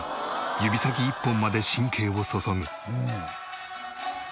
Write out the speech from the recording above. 指先１本まで神経を注ぐ。